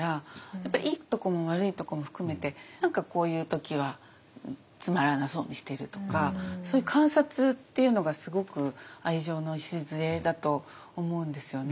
やっぱりいいとこも悪いとこも含めて何かこういう時はつまらなそうにしてるとかそういう観察っていうのがすごく愛情の礎だと思うんですよね。